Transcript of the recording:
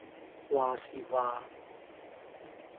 話時話